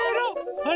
あれ？